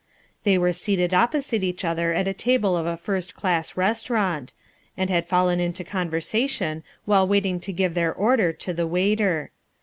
They were seated opposite each other at a table of a first class restaurant, and had fallen into conversation while waiting to give their order to the waiter.